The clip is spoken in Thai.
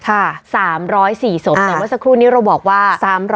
๓๐๔ศพแต่ว่าสักครู่นี้เราบอกว่า๓๐๕